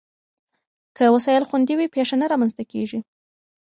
که وسایل خوندي وي، پېښه نه رامنځته کېږي.